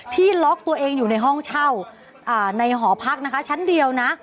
ที่ล็อกตัวเองอยู่ในห้องเช่าในหอพักนะคะชั้นเดียวนะ